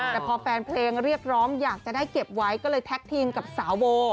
แต่พอแฟนเพลงเรียกร้องอยากจะได้เก็บไว้ก็เลยแท็กทีมกับสาวโบ